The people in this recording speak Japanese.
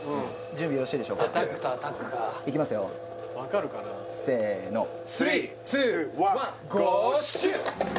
準備よろしいでしょうかアタックとアタックかいきますよ分かるかなせの３・２・１Ｇｏシュート！